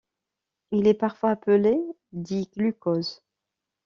Il est parfois appelé di-glucose.